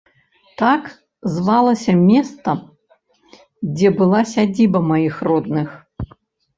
Так звалася места, дзе была сядзіба маіх родных.